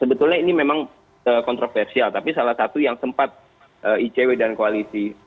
sebetulnya ini memang kontroversial tapi salah satu yang sempat icw dan koalisi